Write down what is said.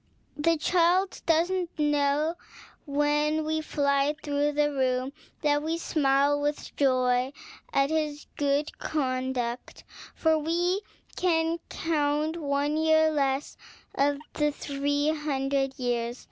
The child does not know, when we fly through the room, that we smile with joy at his good conduct, for we can count one year less of our three hundred years.